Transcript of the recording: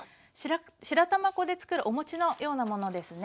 白玉粉でつくるお餅のようなものですね。